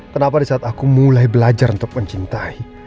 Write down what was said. kenapa disaat aku mulai belajar untuk mencintai